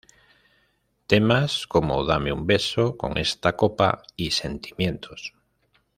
Temas como "Dame Un Beso", "Con Esta Copa" y "Sentimientos".